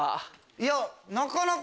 いやなかなか。